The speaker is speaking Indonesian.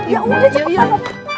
ya udah cepetan pak